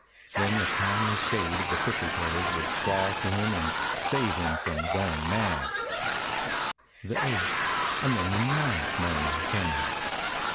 Then Wie kindly shade of the prickly pears would crawl to him and save him from going mad. The eighth and then the ninth morning came.